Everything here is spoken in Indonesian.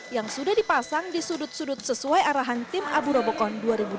yang sudah dipasang di sudut sudut sesuai arahan tim abu robocon dua ribu dua puluh